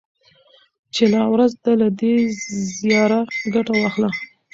چي لا ورځ ده له دې زياره ګټه واخله